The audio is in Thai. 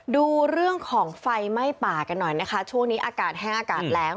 ดูเรื่องของไฟไหม้ป่ากันหน่อยนะคะช่วงนี้อากาศแห้งอากาศแรง